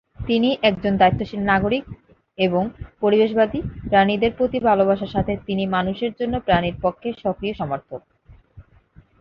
তিনি একজন দায়িত্বশীল নাগরিক এবং পরিবেশবাদী; প্রাণীদের প্রতি ভালবাসার সাথে তিনি মানুষের জন্য প্রাণীর পক্ষে সক্রিয় সমর্থক।